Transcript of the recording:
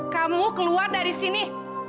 kamu keluar dari sini